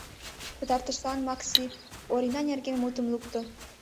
Пытартышлан Макси Орина нерген мутым лукто.